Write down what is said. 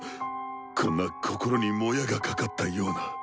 こんな心にモヤがかかったような。